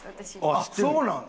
あっそうなん？